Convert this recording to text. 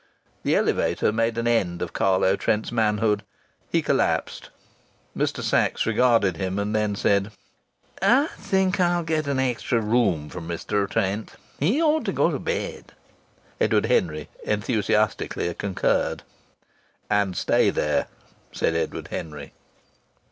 The elevator made an end of Carlo Trent's manhood. He collapsed. Mr. Sachs regarded him, and then said: "I think I'll get an extra room for Mr. Trent. He ought to go to bed." Edward Henry enthusiastically concurred. "And stay there!" said Edward Henry.